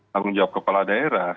tanggung jawab kepala daerah